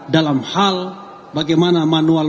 dalam hal bagaimana manual